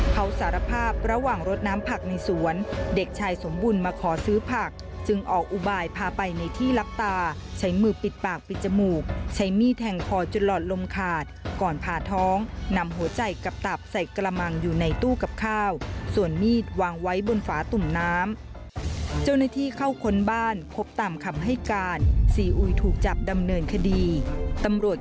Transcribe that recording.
เขาสารภาพระหว่างรดน้ำผักในสวนเด็กชายสมบุญมาขอซื้อผักจึงออกอุบายพาไปในที่รับตาใช้มือปิดปากปิดจมูกใช้มีดแทงคอจนหลอดลมขาดก่อนผ่าท้องนำหัวใจกับตับใส่กระมังอยู่ในตู้กับข้าวส่วนมีดวางไว้บนฝาตุ่มน้ำเจ้าหน้าที่เข้าค้นบ้านพบตามคำให้การซีอุยถูกจับดำเนินคดีตำรวจ